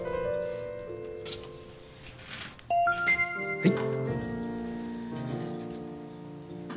はい。